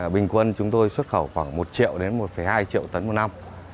bình quân chúng tôi xuất khẩu khoảng một triệu đến một hai triệu tấn một năm